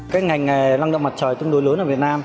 cái ngành năng lượng mặt trời tương đối lớn ở việt nam